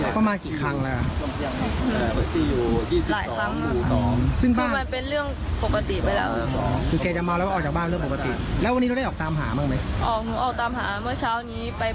พ่อเขาก็ขับรถมาตามที่สถานีรถไฟแล้วเราได้ถามแม่คุณ